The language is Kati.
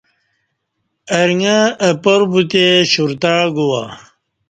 ارݩگہ اہ پار بوتے شرتع گوا